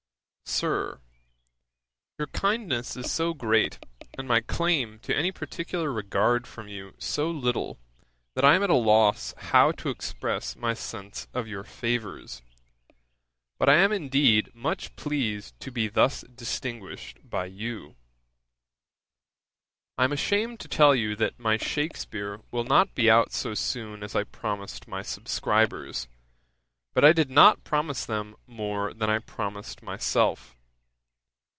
'SIR, 'Your kindness is so great, and my claim to any particular regard from you so little, that I am at a loss how to express my sense of your favours; but I am, indeed, much pleased to be thus distinguished by you. 'I am ashamed to tell you that my Shakspeare will not be out so soon as I promised my subscribers; but I did not promise them more than I promised myself.